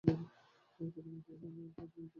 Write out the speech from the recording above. এটা আমার রুটি-রুজি।